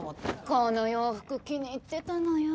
この洋服気に入ってたのよ。